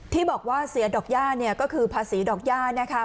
ที่บอกว่าเสียดอกย่าเนี่ยก็คือภาษีดอกย่านะคะ